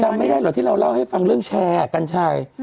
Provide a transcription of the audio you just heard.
ไม่ได้เหรอที่เราเล่าให้ฟังเรื่องแชร์กัญชัย